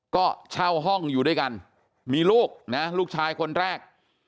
ก็เช่าห้องอยู่ด้วยกันมีลูกนะลูกชายคนแรก